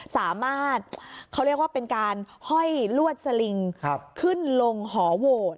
สามารถเขาเรียกว่าเป็นการห้อยลวดสลิงขึ้นลงหอโหวต